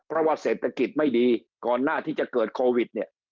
เพราะว่าเศรษฐกิจไม่ดีก่อนหน้าที่จะเกิดโควิดเนี่ย